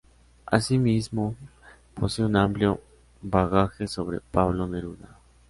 Asimismo, posee un amplio bagaje sobre Pablo Neruda.